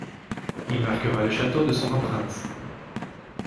Il marquera le château de son empreinte.